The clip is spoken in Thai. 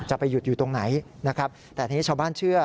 จะไปหยุดอยู่ตรงไหนนะครับแต่ทีนี้ชาวบ้านเชื่อ